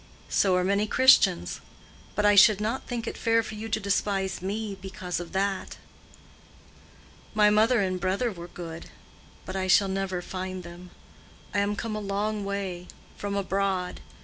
"So are many Christians. But I should not think it fair for you to despise me because of that." "My mother and brother were good. But I shall never find them. I am come a long way—from abroad.